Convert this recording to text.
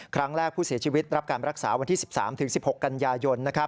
ครั้งแรกผู้เสียชีวิตรับการรักษาวันที่๑๓๑๖กันยายน